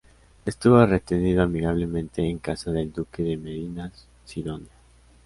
Estuvo retenido amigablemente en casa del duque de Medina Sidonia.